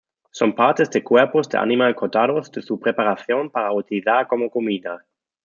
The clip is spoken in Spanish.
Son partes de cuerpos de animal cortados de su preparación para utilizar como comida.